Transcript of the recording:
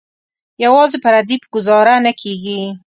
یوازې په ردیف ګوزاره نه کیږي.